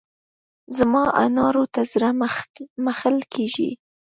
زما انارو ته زړه مښل کېږي.